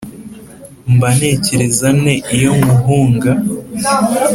mba nekereza nte iyo nkuhunga?